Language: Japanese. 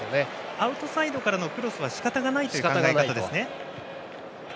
アウトサイドからのクロスは仕方ないという考え方ですね。